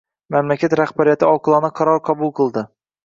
Mamlakat rahbariyati oqilona qaror qabul qildi.